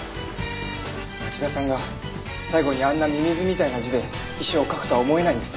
町田さんが最後にあんなミミズみたいな字で遺書を書くとは思えないんです。